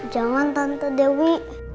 jangan tante dewi